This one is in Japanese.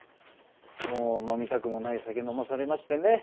もう飲みたくもない酒飲まされましてね。